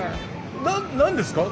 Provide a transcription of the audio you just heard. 何ですか？